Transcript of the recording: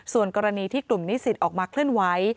ส่วนกรณีที่กลุ่มนิสิตออกมาเคลื่อนไหว